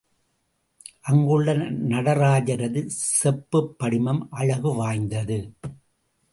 அங்குள்ள நடராஜரது செப்புப் படிமம் அழகு வாய்ந்தது.